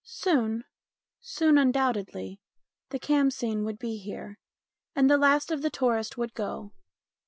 Soon, soon undoubt edly, the khamseen would be here, and the last of the tourists would go.